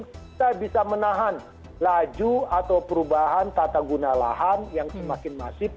kita bisa menahan laju atau perubahan tata guna lahan yang semakin masif